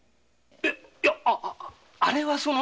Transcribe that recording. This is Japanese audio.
いやあれはその。